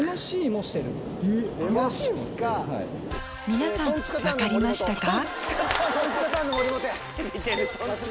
皆さん分かりましたか？